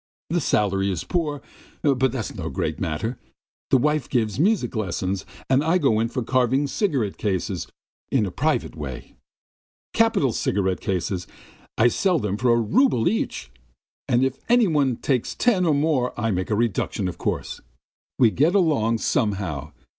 The salary is poor, but that's no great matter! The wife gives music lessons, and I go in for carving wooden cigarette cases in a private way. Capital cigarette cases! I sell them for a rouble each. If any one takes ten or more I make a reduction of course. We get along somehow.